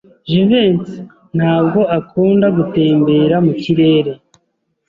Jivency ntabwo akunda gutembera mu kirere.